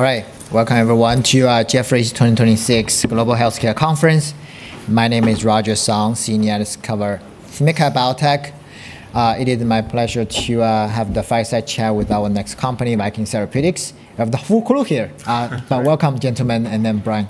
All right. Welcome, everyone, to Jefferies 2026 Global Healthcare Conference. My name is Roger Song, Senior Analyst cover SMID-cap biotech. It is my pleasure to have the fireside chat with our next company, Viking Therapeutics. We have the full crew here. Welcome, gentlemen, and then Brian.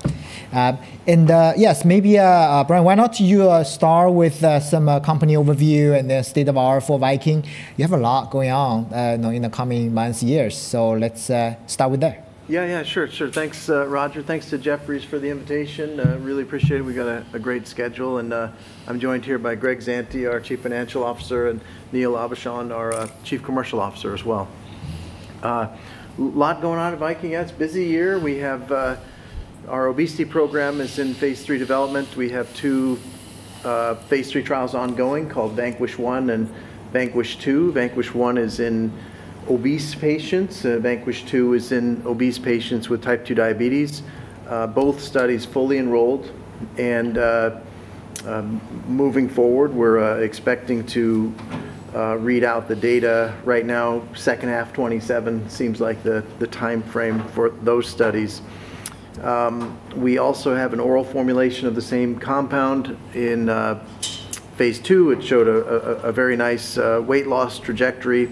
Yes, maybe Brian, why not you start with some company overview and the state of R for Viking. You have a lot going on in the coming months, years. Let's start with that. Yeah. Sure. Thanks, Roger. Thanks to Jefferies for the invitation. Really appreciate it. We got a great schedule, and I'm joined here by Greg Zante, our Chief Financial Officer, and Neil Aubuchon, our Chief Commercial Officer as well. Lot going on at Viking. It's a busy year. Our obesity program is in phase III development. We have two phase III trials ongoing called VANQUISH-1 and VANQUISH-2. VANQUISH-1 is in obese patients. VANQUISH-2 is in obese patients with type 2 diabetes. Both studies fully enrolled. Moving forward, we're expecting to read out the data right now, second half 2027 seems like the timeframe for those studies. We also have an oral formulation of the same compound in phase II. It showed a very nice weight loss trajectory,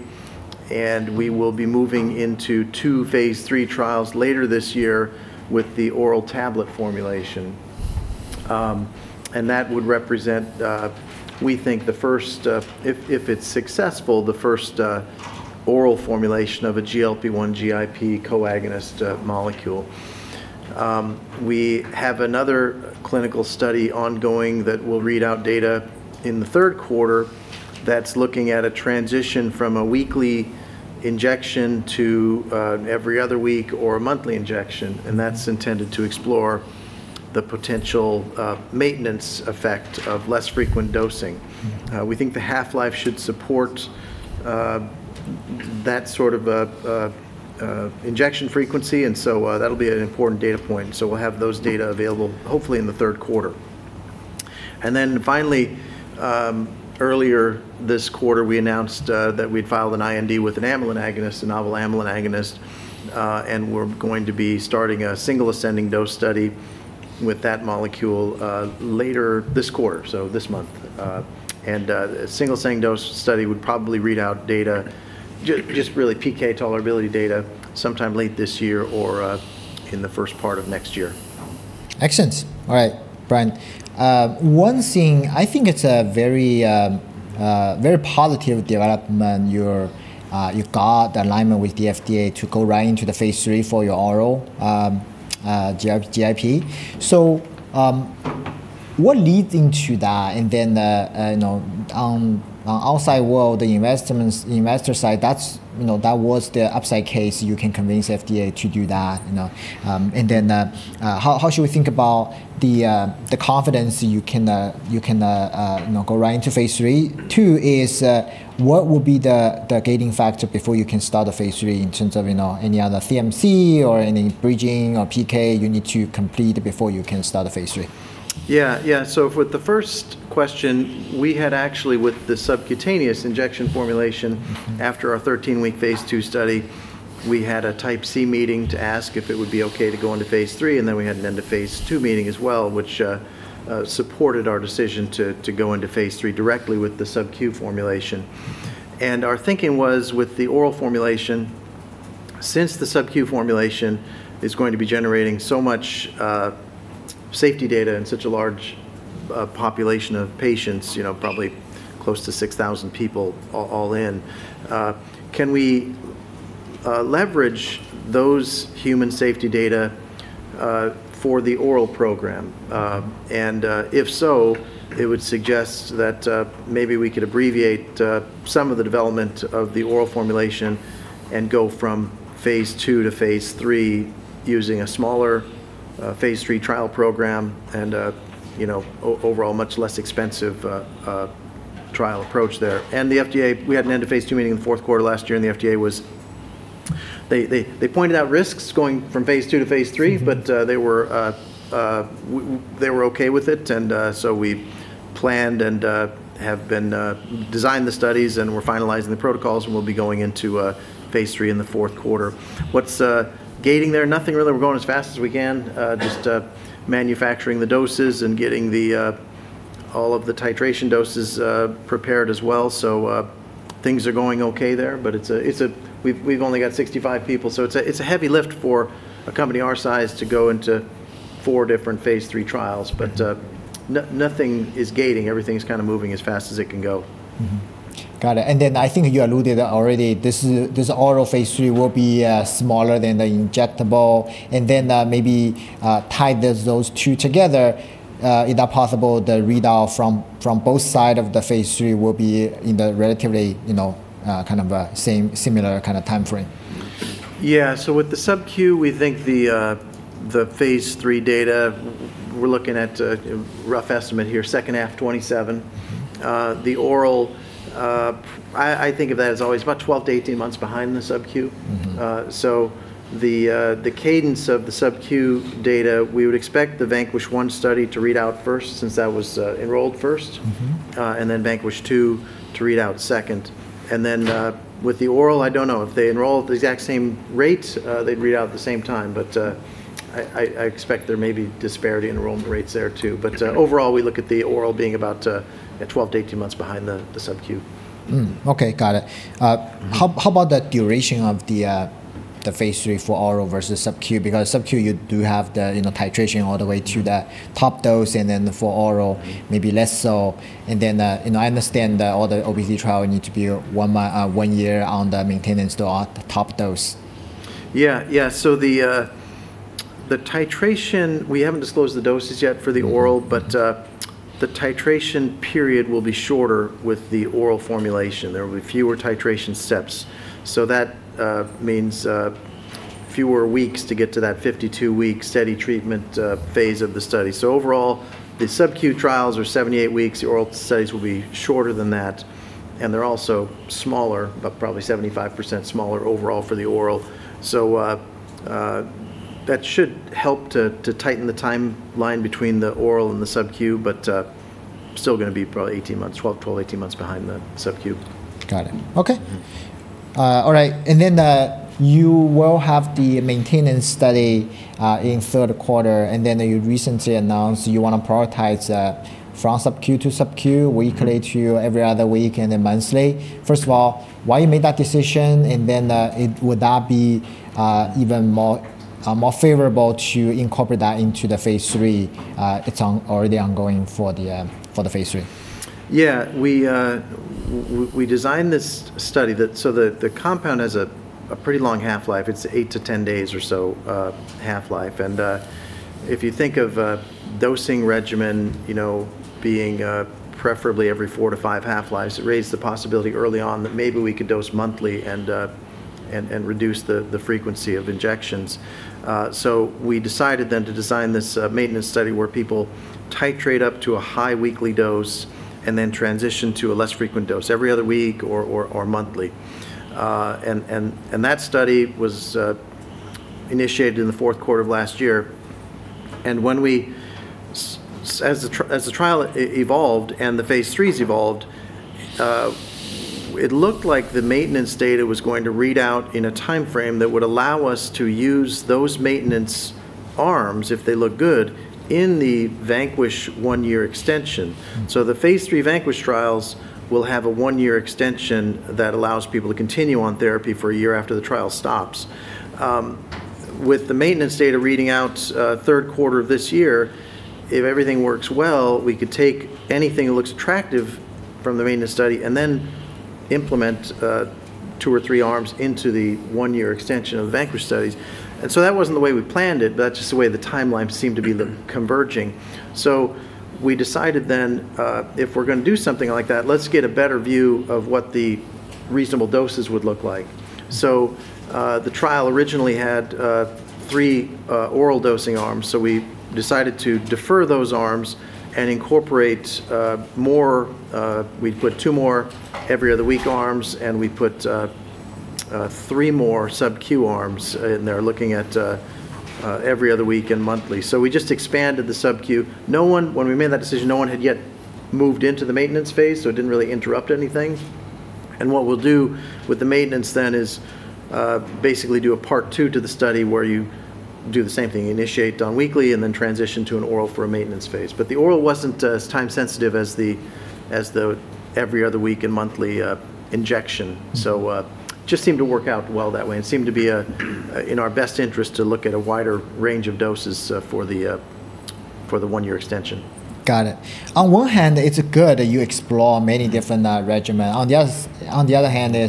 and we will be moving into two phase III trials later this year with the oral tablet formulation. That would represent, we think, if it's successful, the first oral formulation of a GLP-1/GIP co-agonist molecule. We have another clinical study ongoing that will read out data in the third quarter that's looking at a transition from a weekly injection to an every other week or a monthly injection, and that's intended to explore the potential maintenance effect of less frequent dosing. We think the half-life should support that sort of injection frequency, and so that'll be an important data point. We'll have those data available hopefully in the third quarter. Finally, earlier this quarter, we announced that we'd filed an IND with an amylin agonist, a novel amylin agonist, and we're going to be starting a single ascending dose study with that molecule later this quarter, so this month. A single ascending dose study would probably read out data, just really PK tolerability data, sometime late this year or in the first part of next year. Excellent. All right. Brian, one thing, I think it's a very positive development you got alignment with the FDA to go right into the phase III for your oral GIP. What leading to that? Then on outside world, the investor side, that was the upside case, you can convince FDA to do that. Then how should we think about the confidence you can go right into phase III? Two is what will be the gating factor before you can start the phase III in terms of any other CMC or any bridging or PK you need to complete before you can start the phase III? For the first question, we had actually with the subcutaneous injection formulation, after our 13 week phase II study, we had a Type C meeting to ask if it would be okay to go into phase III. We had an end-of-phase II meeting as well, which supported our decision to go into phase III directly with the SubQ formulation. Our thinking was with the oral formulation, since the SubQ formulation is going to be generating so much safety data in such a large population of patients, probably close to 6,000 people all in, can we leverage those human safety data for the oral program? If so, it would suggest that maybe we could abbreviate some of the development of the oral formulation and go from phase II to phase III using a smaller phase III trial program and overall much less expensive trial approach there. The FDA, we had an end-of-phase II meeting in the fourth quarter last year, and the FDA they pointed out risks going from phase II to phase III, but they were okay with it. We planned and have been designed the studies, and we're finalizing the protocols, and we'll be going into phase III in the fourth quarter. What's gating there? Nothing really. We're going as fast as we can. Just manufacturing the doses and getting all of the titration doses prepared as well, so things are going okay there. We've only got 65 people, so it's a heavy lift for a company our size to go into four different phase III trials. Nothing is gating. Everything's kind of moving as fast as it can go. Got it. I think you alluded already, this oral phase III will be smaller than the injectable, and then maybe tie those two together. Is that possible the readout from both sides of the phase III will be in the relatively kind of similar kind of timeframe? Yeah. With the SubQ, we think the phase III data, we're looking at a rough estimate here, second half 2027. The oral, I think of that as always about 12-18 months behind the SubQ. The cadence of the SubQ data, we would expect the VANQUISH-1 study to read out first since that was enrolled first. Then VANQUISH-2 to read out second. Then with the oral, I don't know. If they enroll at the exact same rates, they'd read out at the same time. I expect there may be disparity in enrollment rates there too. Overall, we look at the oral being about 12-18 months behind the SubQ. Okay. Got it. How about the duration of the phase III for oral versus SubQ, because SubQ you do have the titration all the way to the top dose, then for oral, maybe less so. I understand that all the obesity trial need to be one year on the maintenance dose at the top dose. Yeah. The titration, we haven't disclosed the doses yet for the oral, but the titration period will be shorter with the oral formulation. There will be fewer titration steps. That means fewer weeks to get to that 52 week steady treatment phase of the study. Overall, the SubQ trials are 78 weeks. The oral studies will be shorter than that, and they're also smaller, about probably 75% smaller overall for the oral. That should help to tighten the timeline between the oral and the SubQ, but still going to be probably 12-18 months behind the SubQ. Got it. Okay. All right. You will have the maintenance study in third quarter, and then you recently announced you want to prioritize from SubQ to SubQ weekly to every other week, and then monthly. First of all, why you made that decision, would that be even more favorable to incorporate that into the phase III? It's already ongoing for the phase III. Yeah. We designed this study so that the compound has a pretty long half-life. It's 8-10 days or so half-life. If you think of a dosing regimen being preferably every four to five half-lives, it raised the possibility early on that maybe we could dose monthly and reduce the frequency of injections. We decided then to design this maintenance study where people titrate up to a high weekly dose and then transition to a less frequent dose every other week or monthly. That study was initiated in the fourth quarter of last year. As the trial evolved and the phase III evolved, it looked like the maintenance data was going to read out in a timeframe that would allow us to use those maintenance arms, if they look good, in the VANQUISH one year extension. The phase III VANQUISH trials will have a one year extension that allows people to continue on therapy for a year after the trial stops. With the maintenance data reading out third quarter of this year, if everything works well, we could take anything that looks attractive from the maintenance study and then implement two or three arms into the one year extension of the VANQUISH studies. That wasn't the way we planned it, but that's just the way the timelines seemed to be converging. We decided then if we're going to do something like that, let's get a better view of what the reasonable doses would look like. The trial originally had three oral dosing arms. We decided to defer those arms and incorporate more. We put two more every other week arms, and we put three more SubQ arms in there, looking at every other week and monthly. We just expanded the SubQ. No one, when we made that decision, no one had yet moved into the maintenance phase, so it didn't really interrupt anything. What we'll do with the maintenance then is basically do a part two to the study where you do the same thing. You initiate on weekly and then transition to an oral for a maintenance phase. The oral wasn't as time sensitive as the every other week and monthly injection. Just seemed to work out well that way, and seemed to be in our best interest to look at a wider range of doses for the one year extension. Got it. On one hand, it's good that you explore many different regimen. On the other hand, it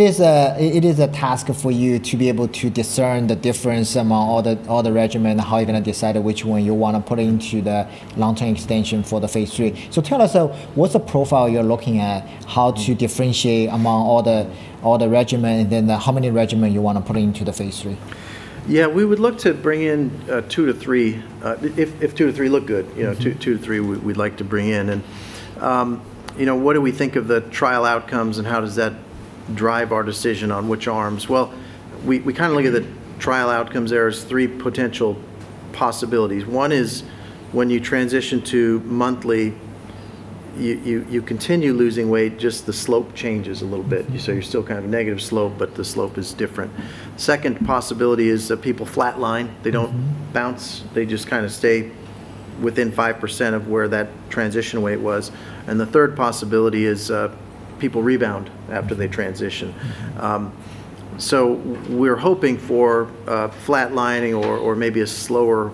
is a task for you to be able to discern the difference among all the regimen, how you're going to decide which one you want to put into the long-term extension for the phase III. Tell us, what's the profile you're looking at? How to differentiate among all the regimen, how many regimen you want to put into the phase III? Yeah. We would look to bring in two to three. If two to three look good, two to three we'd like to bring in. What do we think of the trial outcomes, and how does that drive our decision on which arms? Well, we look at the trial outcomes. There is three potential possibilities. One is when you transition to monthly, you continue losing weight, just the slope changes a little bit. You're still kind of negative slope, but the slope is different. Second possibility is that people flatline. They don't bounce. They just kind of stay within 5% of where that transition weight was. The third possibility is people rebound after they transition. We're hoping for flatlining or maybe a slower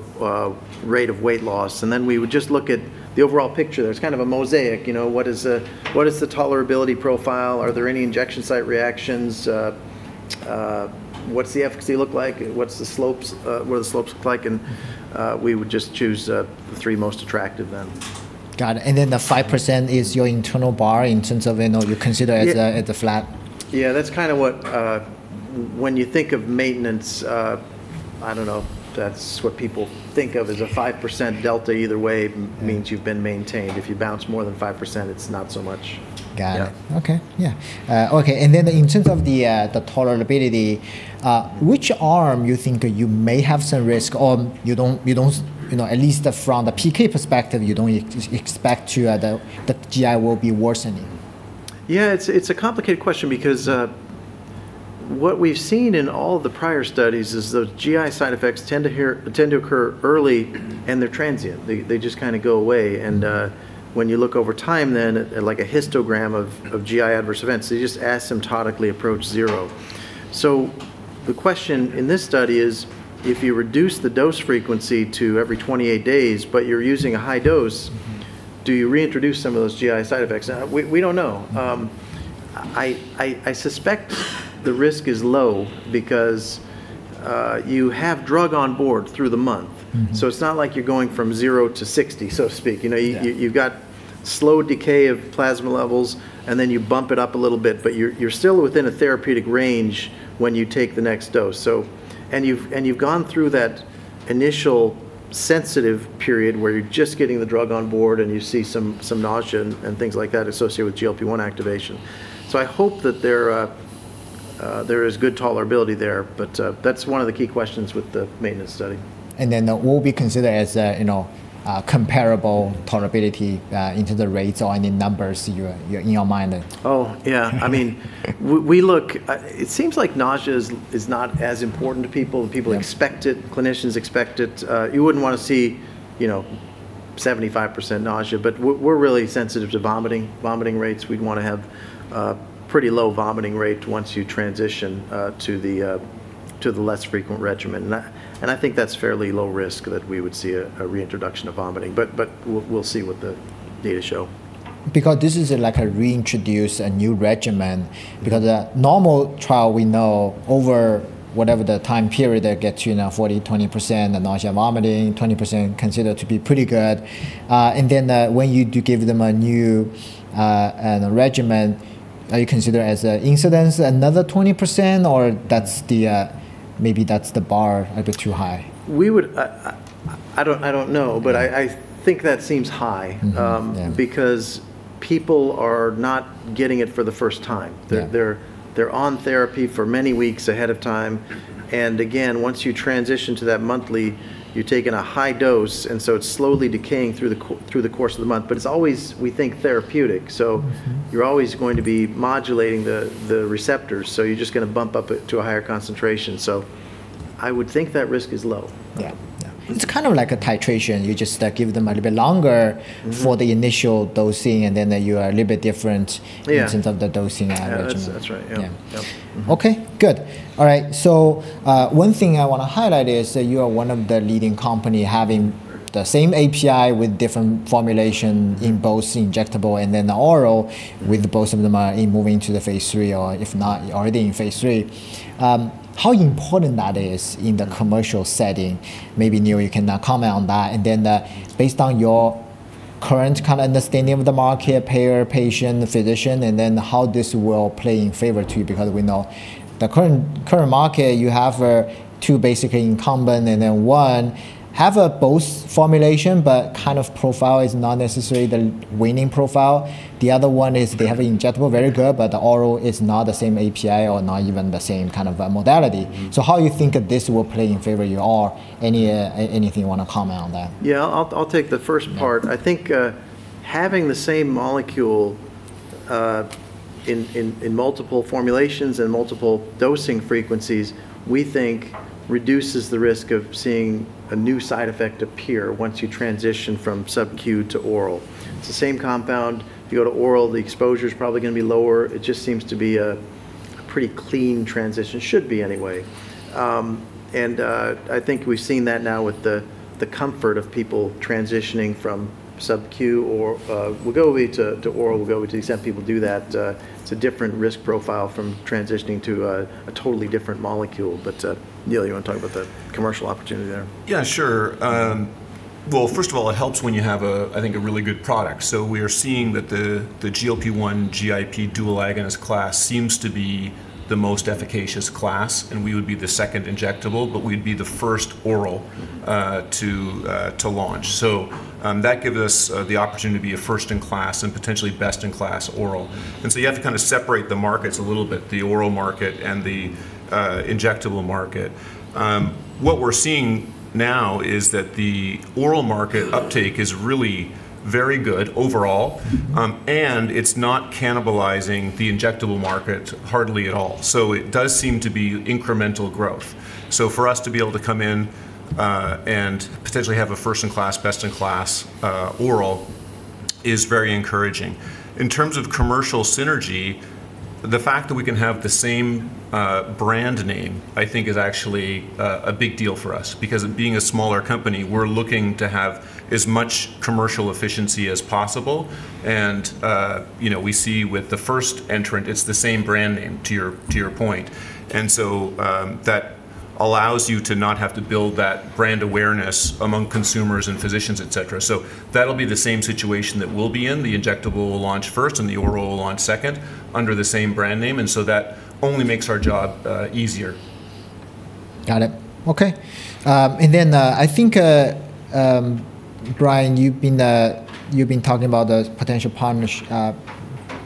rate of weight loss. We would just look at the overall picture. There's kind of a mosaic. What is the tolerability profile? Are there any injection site reactions? What's the efficacy look like? What do the slopes look like? We would just choose the three most attractive then. Got it. The 5% is your internal bar in terms of you consider as a flat? Yeah. When you think of maintenance, I don't know if that's what people think of as a 5% delta either way means you've been maintained. If you bounce more than 5%, it's not so much. Got it. Yeah. Okay. Yeah. Okay. In terms of the tolerability, which arm you think you may have some risk, or at least from the PK perspective, you don't expect the GI will be worsening? Yeah, it's a complicated question because what we've seen in all the prior studies is the GI side effects tend to occur early and they're transient. They just kind of go away. When you look over time then at like a histogram of GI adverse events, they just asymptotically approach zero. The question in this study is, if you reduce the dose frequency to every 28 days, but you're using a high dose, do you reintroduce some of those GI side effects? We don't know. I suspect the risk is low because you have drug on board through the month. It's not like you're going from zero to 60, so to speak. Yeah. You've got slow decay of plasma levels, then you bump it up a little bit. You're still within a therapeutic range when you take the next dose. You've gone through that initial sensitive period where you're just getting the drug on board and you see some nausea and things like that associated with GLP-1 activation. I hope that there is good tolerability there, but that's one of the key questions with the maintenance study. What will be considered as comparable tolerability into the rates or any numbers in your mind then? Oh, yeah. It seems like nausea is not as important to people. Yeah. People expect it. Clinicians expect it. You wouldn't want to see 75% nausea. We're really sensitive to vomiting rates. We'd want to have a pretty low vomiting rate once you transition to the less frequent regimen. I think that's fairly low risk that we would see a reintroduction of vomiting. We'll see what the data show. Because this is like a reintroduce, a new regimen. Because a normal trial we know, over whatever the time period, that gets you now 40%, 20%, the nausea and vomiting, 20% considered to be pretty good. When you do give them a new regimen, are you considering as an incidence another 20% or maybe that's the bar, a bit too high? I don't know, but I think that seems high. Mm-hmm. Yeah. People are not getting it for the first time. Yeah. They're on therapy for many weeks ahead of time. Again, once you transition to that monthly, you're taking a high dose, it's slowly decaying through the course of the month. It's always, we think, therapeutic. You're always going to be modulating the receptors, you're just going to bump up to a higher concentration. I would think that risk is low. Yeah. It's kind of like a titration. You just give them a little bit longer for the initial dosing, you are a little bit different in terms of the dosing regimen. Yeah. That's right. Yeah. Yeah. Yep. Mm-hmm. Okay, good. All right. One thing I want to highlight is that you are one of the leading company having the same API with different formulation in both injectable and then the oral, with both of them are moving to the phase III, or if not already in phase III. How important that is in the commercial setting? Maybe, Neil, you can comment on that. Based on your current kind of understanding of the market, payer, patient, physician, and then how this will play in favor to you. We know the current market, you have two basic incumbent, and then one have both formulation but kind of profile is not necessarily the winning profile. The other one is they have injectable very good, but the oral is not the same API or not even the same kind of modality. How you think this will play in favor you all? Anything you want to comment on that? Yeah. I'll take the first part. Yeah. I think having the same molecule in multiple formulations and multiple dosing frequencies, we think reduces the risk of seeing a new side effect appear once you transition from SubQ to oral. It's the same compound. If you go to oral, the exposure's probably going to be lower. It just seems to be a pretty clean transition. Should be, anyway. And I think we've seen that now with the comfort of people transitioning from SubQ or Wegovy to oral Wegovy, some people do that. It's a different risk profile from transitioning to a totally different molecule. Neil, you want to talk about the commercial opportunity there? Yeah, sure. Well, first of all, it helps when you have, I think, a really good product. We are seeing that the GLP-1/GIP dual agonist class seems to be the most efficacious class, and we would be the second injectable, but we'd be the first oral to launch. That gives us the opportunity to be a first-in-class and potentially best-in-class oral. You have to kind of separate the markets a little bit, the oral market and the injectable market. What we're seeing now is that the oral market uptake is really very good overall. It's not cannibalizing the injectable market hardly at all. It does seem to be incremental growth. For us to be able to come in and potentially have a first-in-class, best-in-class oral is very encouraging. In terms of commercial synergy, the fact that we can have the same brand name, I think, is actually a big deal for us. Because being a smaller company, we're looking to have as much commercial efficiency as possible. We see with the first entrant, it's the same brand name, to your point. That allows you to not have to build that brand awareness among consumers and physicians, et cetera. That'll be the same situation that we'll be in. The injectable will launch first and the oral will launch second under the same brand name, and so that only makes our job easier. Got it. Okay. I think, Brian, you've been talking about the potential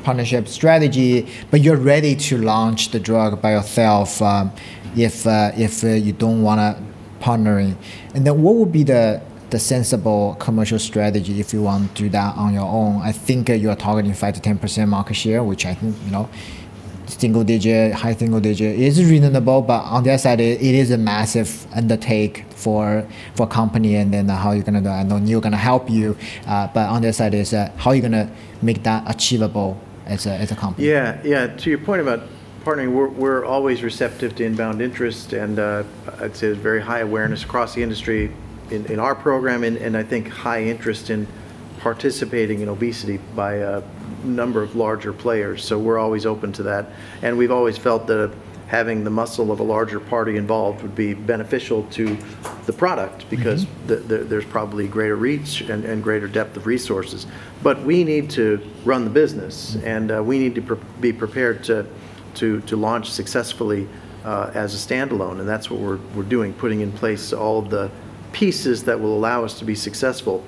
partnership strategy, but you're ready to launch the drug by yourself if you don't want to partnering. What would be the sensible commercial strategy if you want to do that on your own? I think you are targeting 5%-10% market share, which I think, you know, single-digit, high single-digit is reasonable, but on the other side, it is a massive undertake for company and then how you're going to go. Neil's going to help you. On the other side is that how are you going to make that achievable as a company? Yeah. To your point about partnering, we're always receptive to inbound interest. I'd say there's very high awareness across the industry in our program and I think high interest in participating in obesity by a number of larger players. We're always open to that. We've always felt that having the muscle of a larger party involved would be beneficial to the product because there's probably greater reach and greater depth of resources. We need to run the business. We need to be prepared to launch successfully as a standalone. That's what we're doing, putting in place all of the pieces that will allow us to be successful.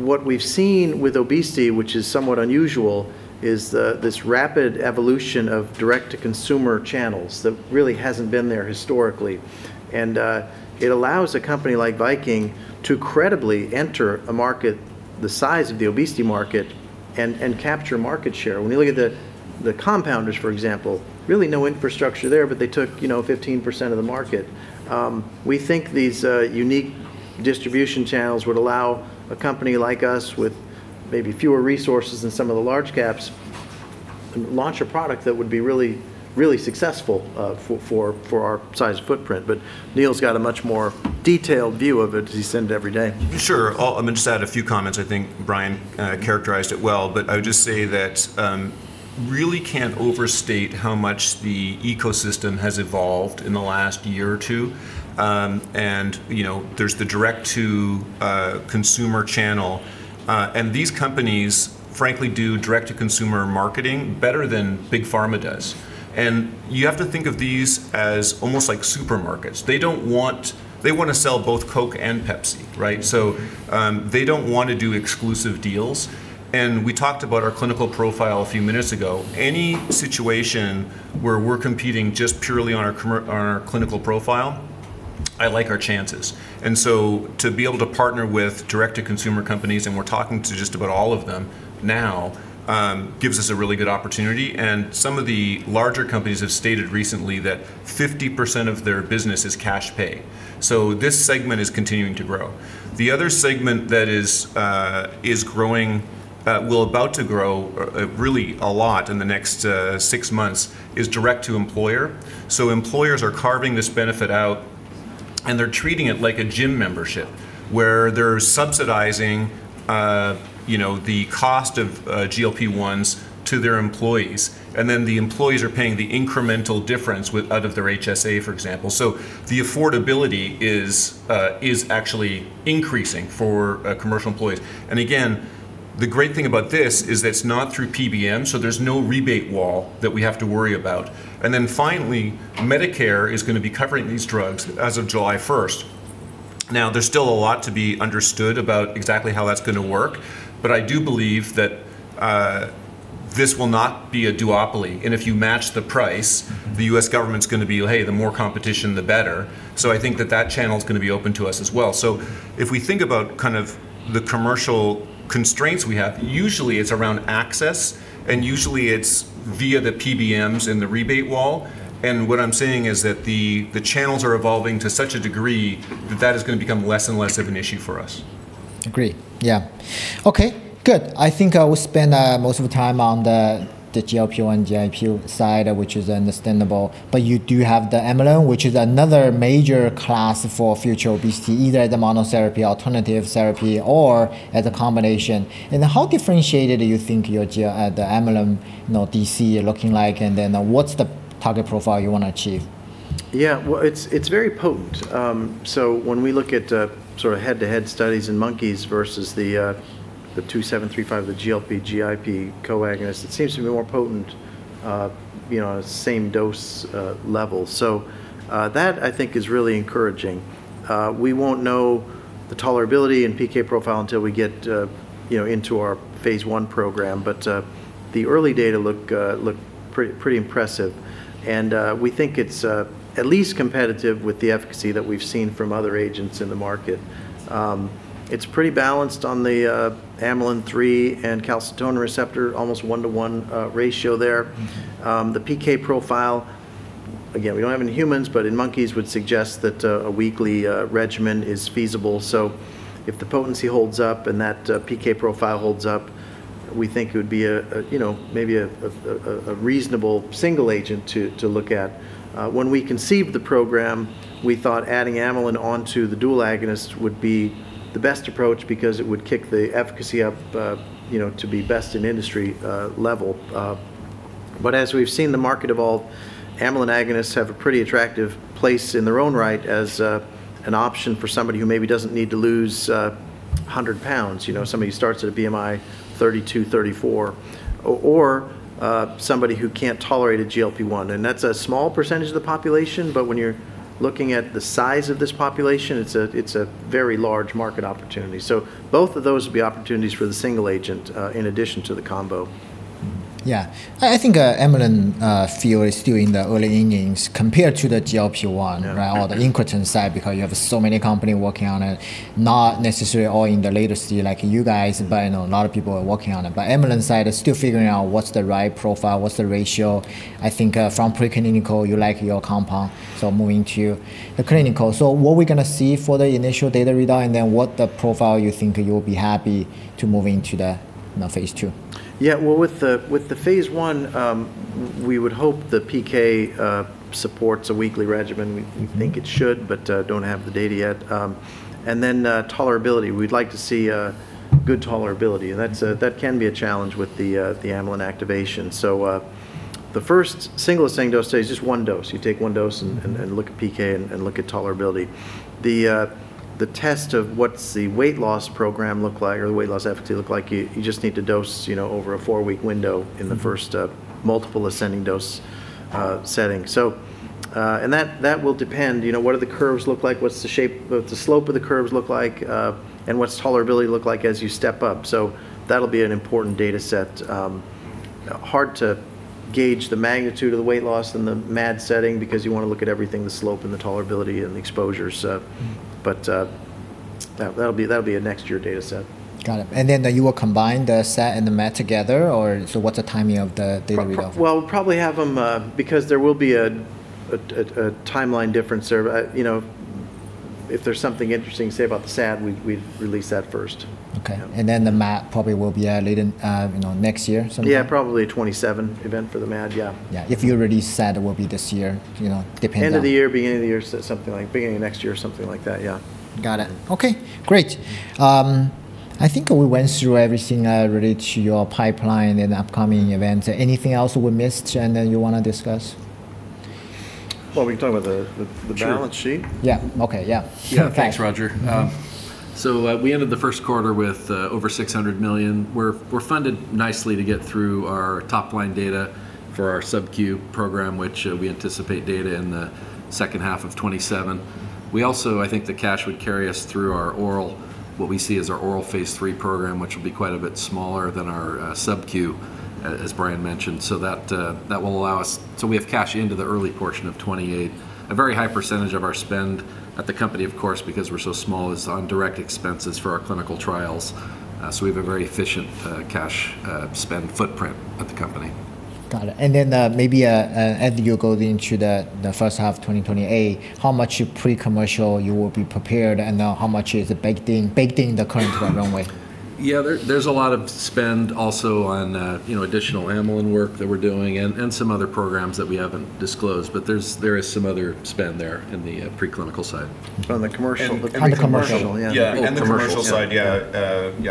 What we've seen with obesity, which is somewhat unusual, is this rapid evolution of direct-to-consumer channels that really hasn't been there historically. It allows a company like Viking to credibly enter a market the size of the obesity market and capture market share. When you look at the compounders, for example, really no infrastructure there, but they took 15% of the market. We think these unique distribution channels would allow a company like us with maybe fewer resources than some of the large caps launch a product that would be really successful for our size footprint. Neil's got a much more detailed view of it as he's in every day. Sure. I'll just add a few comments. I think Brian characterized it well, but I would just say that really can't overstate how much the ecosystem has evolved in the last year or two. There's the direct-to-consumer channel, and these companies frankly do direct-to-consumer marketing better than Big Pharma does. You have to think of these as almost like supermarkets. They want to sell both Coke and Pepsi, right? They don't want to do exclusive deals. We talked about our clinical profile a few minutes ago. Any situation where we're competing just purely on our clinical profile, I like our chances. To be able to partner with direct-to-consumer companies, and we're talking to just about all of them now gives us a really good opportunity. Some of the larger companies have stated recently that 50% of their business is cash pay. This segment is continuing to grow. The other segment that is about to grow really a lot in the next six months is direct to employer. Employers are carving this benefit out, and they're treating it like a gym membership where they're subsidizing the cost of GLP-1s to their employees, and then the employees are paying the incremental difference out of their HSA, for example. The affordability is actually increasing for commercial employees. Again, the great thing about this is that it's not through PBM, so there's no rebate wall that we have to worry about. Finally, Medicare is going to be covering these drugs as of July 1st. There's still a lot to be understood about exactly how that's going to work, but I do believe that this will not be a duopoly, and if you match the price, the U.S. government's going to be, "Hey, the more competition, the better." I think that that channel's going to be open to us as well. If we think about kind of the commercial constraints we have, usually it's around access and usually it's via the PBMs and the rebate wall, and what I'm saying is that the channels are evolving to such a degree that that is going to become less and less of an issue for us. Agree. Yeah. Okay, good. I think I will spend most of the time on the GLP-1/GIP side, which is understandable. You do have the amylin, which is another major class for future obesity, either as a monotherapy, alternative therapy, or as a combination. How differentiated do you think your amylin DC looking like, and what's the target profile you want to achieve? Yeah. Well, it's very potent. When we look at sort of head-to-head studies in monkeys versus the 2735, the GLP/GIP co-agonist, it seems to be more potent same dose level. That I think is really encouraging. We won't know the tolerability and PK profile until we get into our phase I program, but the early data look pretty impressive. We think it's at least competitive with the efficacy that we've seen from other agents in the market. It's pretty balanced on the amylin 3 and calcitonin receptor, almost 1:1 ratio there. The PK profile, again, we don't have any humans, but in monkeys would suggest that a weekly regimen is feasible. If the potency holds up and that PK profile holds up, we think it would be maybe a reasonable single agent to look at. When we conceived the program, we thought adding amylin onto the dual agonist would be the best approach because it would kick the efficacy up to be best in industry level. As we've seen the market evolve, amylin agonists have a pretty attractive place in their own right as an option for somebody who maybe doesn't need to lose 100 lbs, somebody who starts at a BMI 32, 34, or somebody who can't tolerate a GLP-1. That's a small percentage of the population, when you're looking at the size of this population, it's a very large market opportunity. Both of those will be opportunities for the single agent, in addition to the combo. Yeah. I think amylin field is still in the early innings compared to the GLP-1- Yeah. Or the incretin side, because you have so many companies working on it, not necessarily all in the later stage like you guys, but a lot of people are working on it. Amylin side is still figuring out what's the right profile, what's the ratio. I think from pre-clinical, you like your compound, moving to the clinical. What we're going to see for the initial data readout, and then what the profile you think you'll be happy to move into the phase II? Well, with the phase I, we would hope the PK supports a weekly regimen. We think it should, but don't have the data yet. Then tolerability. We'd like to see a good tolerability. That can be a challenge with the amylin activation. The first single ascending dose stage, just one dose. You take one dose and look at PK and look at tolerability. The test of what's the weight loss program look like or the weight loss efficacy look like, you just need to dose over a four week window in the first multiple ascending dose setting. That will depend, what do the curves look like? What's the shape, the slope of the curves look like? What's tolerability look like as you step up? That'll be an important data set. Hard to gauge the magnitude of the weight loss in the MAD setting because you want to look at everything, the slope and the tolerability and the exposures. That'll be a next year data set. Got it. You will combine the SAD and the MAD together? What's the timing of the data readout? Well, we'll probably have them, because there will be a timeline difference. If there's something interesting, say, about the SAD, we'd release that first. Okay. The MAD probably will be out later, next year, something like that? Yeah, probably 2027 event for the MAD. Yeah. Yeah. If you release SAD, it will be this year. End of the year, beginning of the year. Something like beginning of next year or something like that. Yeah. Got it. Okay, great. I think we went through everything already to your pipeline and upcoming event. Anything else we missed and that you want to discuss? Well, we can talk about the balance sheet. Sure. Yeah. Okay, yeah. Thanks, Roger. We ended the first quarter with over $600 million. We're funded nicely to get through our top-line data for our SubQ program, which we anticipate data in the second half of 2027. We also, I think the cash would carry us through our oral, what we see as our oral phase III program, which will be quite a bit smaller than our SubQ, as Brian mentioned. We have cash into the early portion of 2028. A very high percentage of our spend at the company, of course, because we're so small, is on direct expenses for our clinical trials. We have a very efficient cash spend footprint at the company. Got it. Maybe as you go into the first half 2028, how much pre-commercial you will be prepared and how much is baked in the current runway? Yeah. There's a lot of spend also on additional amylin work that we're doing and some other programs that we haven't disclosed, but there is some other spend there in the pre-clinical side. On the commercial. On the commercial. The commercial side.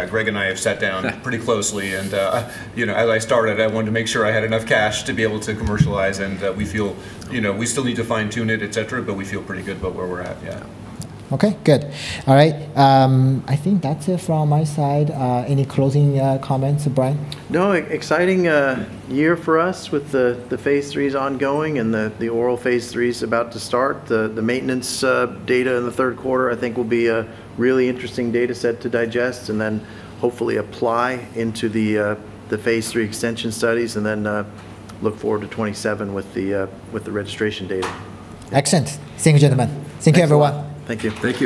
Greg and I have sat down pretty closely and as I started, I wanted to make sure I had enough cash to be able to commercialize and we feel we still need to fine tune it, et cetera, but we feel pretty good about where we're at. Yeah. Okay, good. All right. I think that's it from my side. Any closing comments, Brian? No, exciting year for us with the phase IIIs ongoing and the oral phase IIIs about to start. The maintenance data in the third quarter, I think, will be a really interesting data set to digest and then hopefully apply into the phase III extension studies and then look forward to 2027 with the registration data. Excellent. Thank you, gentlemen. Thanks, Roger. Thank you, everyone. Thank you. Thank you.